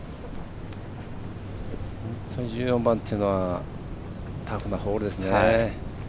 本当に１４番というのはタフなホールですね。